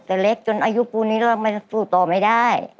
แต่เล็กจนอายุปูนนี้ก็สู้ต่อไม่ได้